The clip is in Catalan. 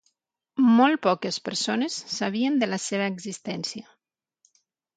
Molt poques persones sabien de la seva existència.